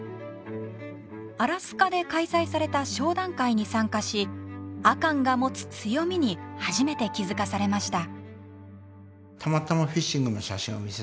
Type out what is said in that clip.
アラスカで開催された商談会に参加し阿寒が持つ強みに初めて気付かされました。